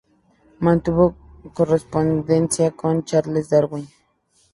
Mantuvo correspondencia con Charles Darwin.